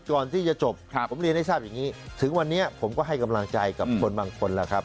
ก่อนที่จะจบผมเรียนให้ทราบอย่างนี้ถึงวันนี้ผมก็ให้กำลังใจกับคนบางคนแล้วครับ